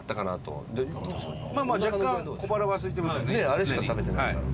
あれしか食べてないから。